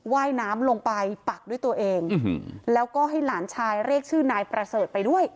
ว่ายน้ำลงไปปักด้วยตัวเองแล้วก็ให้หลานชายเรียกชื่อนายประเสริฐไปด้วย